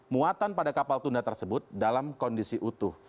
muatan pada kapal tunda tersebut dalam kondisi utuh